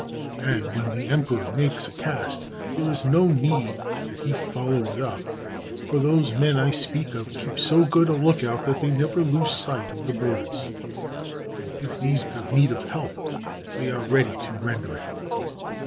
And when the emperor makes a cast, there is no need that he follow it up, for those men I speak of keep so good a lookout that they never lose sight of the birds, and if these have need of help, they are ready to render it.